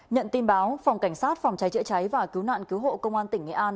nhận tin báo phòng cảnh sát phòng cháy chữa cháy và cứu nạn cứu hộ công an tỉnh nghệ an